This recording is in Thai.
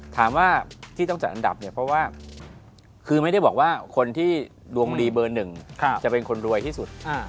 ถามว่าที่ต้องจัดอันดับเนี่ยเพราะว่าคือไม่ได้บอกว่าคนที่ดวงดีเบอร์หนึ่งจะเป็นคนรวยที่สุด